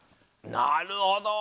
なるほど！